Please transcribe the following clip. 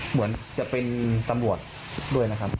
เหมือนจะเป็นตำรวจด้วยนะครับ